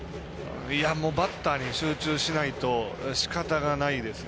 バッターに集中しないとしかたがないですね。